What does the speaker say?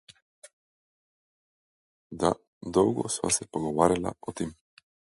Da, dolgo sva se pogovarjala o tem.